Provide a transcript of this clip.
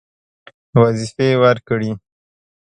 وظیفې ورکړې.